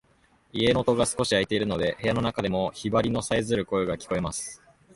家の戸が少し開いているので、部屋の中でもヒバリのさえずる声が聞こえます。